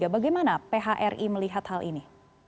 bagaimana phri melihat hal ini